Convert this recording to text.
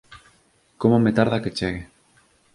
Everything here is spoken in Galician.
Como me tarda que chegue